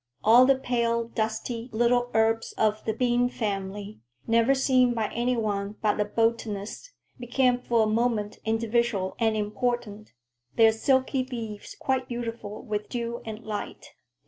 All the pale, dusty little herbs of the bean family, never seen by any one but a botanist, became for a moment individual and important, their silky leaves quite beautiful with dew and light.